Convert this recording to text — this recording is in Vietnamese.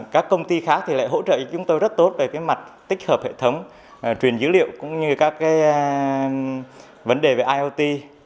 các công ty khác thì lại hỗ trợ cho chúng tôi rất tốt về mặt tích hợp hệ thống truyền dữ liệu cũng như các vấn đề về iot